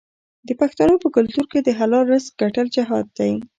د پښتنو په کلتور کې د حلال رزق ګټل جهاد دی.